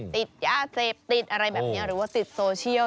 ติดยาเสพติดอะไรแบบนี้หรือว่าติดโซเชียล